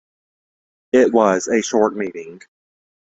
It was a short meeting.